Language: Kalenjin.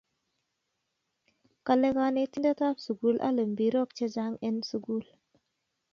Kale kanetindet ab sukul ale mpirok che chang en sukul